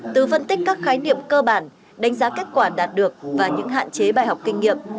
từ phân tích các khái niệm cơ bản đánh giá kết quả đạt được và những hạn chế bài học kinh nghiệm